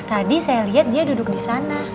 tadi saya lihat dia duduk di sana